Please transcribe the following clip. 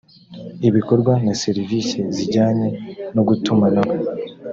ibikorwa na serivisi zijyanye no gutumanaho